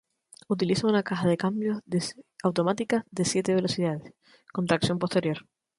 Utiliza una caja de cambios automática de siete velocidades, con tracción posterior.